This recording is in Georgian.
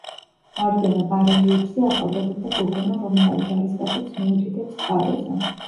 მარჯვენა ბარელიეფზე ახალგაზრდა გოგონა რომაელ ჯარისკაცებს მიუთითებს წყაროზე.